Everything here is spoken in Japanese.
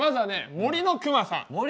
「森のくまさん」だ！